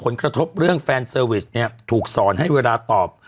ผลกระทบเรื่องแฟนเซอร์วิสเนี่ยถูกสอนให้เวลาตอบ